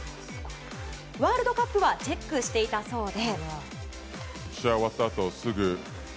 ワールドカップはチェックしていたそうで。